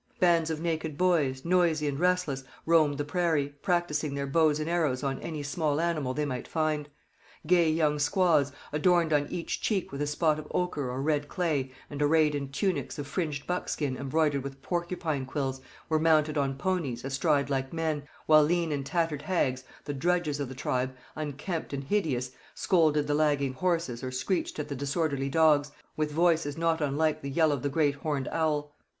Bands of naked boys, noisy and restless, roamed the prairie, practising their bows and arrows on any small animal they might find. Gay young squaws adorned on each cheek with a spot of ochre or red clay and arrayed in tunics of fringed buckskin embroidered with porcupine quills were mounted on ponies, astride like men; while lean and tattered hags the drudges of the tribe, unkempt and hideous scolded the lagging horses or screeched at the disorderly dogs, with voices not unlike the yell of the great horned owl.